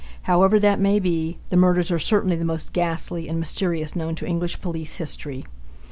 However that may be, the murders are certainly the most ghastly and mysterious known to English police history.